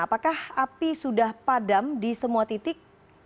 apakah api sudah padam di semua titik